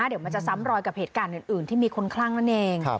เดี๋ยวมันจะซ้ำรอยกับเหตุการณ์อื่นที่มีคนคลั่งนั่นเอง